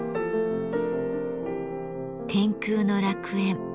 天空の楽園。